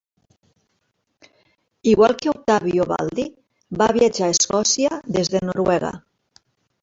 Igual que Ottavio Baldi, va viatjar a Escòcia des de Noruega.